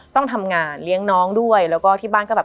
มันทำให้ชีวิตผู้มันไปไม่รอด